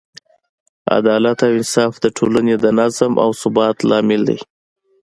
عدالت او انصاف د ټولنې د نظم او ثبات لامل دی.